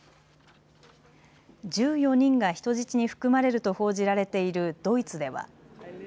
１４人が人質に含まれると報じられているドイツでは。